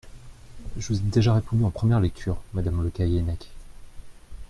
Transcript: Je vous ai déjà répondu en première lecture, madame Le Callennec.